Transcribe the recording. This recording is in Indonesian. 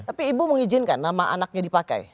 tapi ibu mengizinkan nama anaknya dipakai